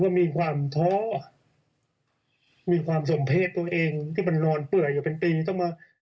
ก็มีความท้อมีความสมเพศตัวเองที่มันนอนเปื่อยอยู่เป็นปีต้องมา